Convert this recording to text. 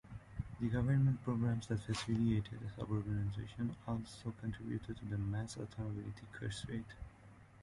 The government programs that facilitated suburbanization also contributed to the mass automobility crusade.